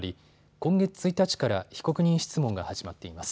今月１日から被告人質問が始まっています。